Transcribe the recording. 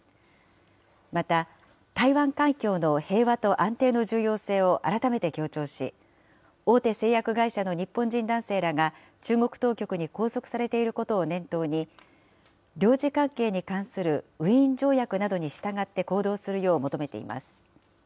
また、台湾海峡の平和と安定の重要性を改めて強調し、大手製薬会社の日本人男性らが、中国当局に拘束されていることを念頭に、領事関係に関するウィーン条約などに従って行動するよう求めています。